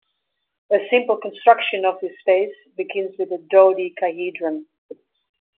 A simple construction of this space begins with a dodecahedron.